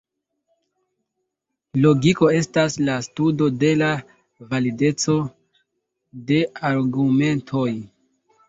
Logiko estas la studo de la valideco de argumentoj.